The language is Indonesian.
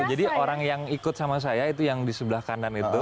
jadi orang yang ikut sama saya itu yang di sebelah kanan itu